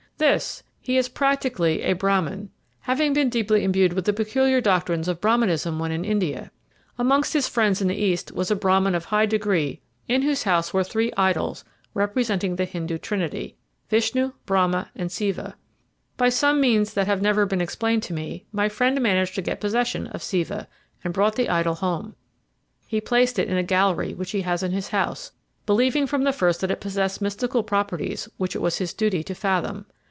"This. He is practically a Brahmin, having been deeply imbued with the peculiar doctrines of Brahminism when in India. Amongst his friends in the East was a Brahmin of high degree in whose house were three idols, representing the Hindu Trinity Vishnu, Brahma, and Siva. By some means which have never been explained to me, my friend managed to get possession of Siva, and brought the idol home. He placed it in a gallery which he has in his house, believing from the first that it possessed mystical properties which it was his duty to fathom.